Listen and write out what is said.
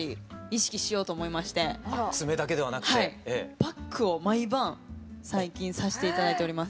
パックを毎晩最近さして頂いております。